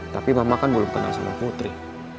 tapi mama kan belum kenal sama putri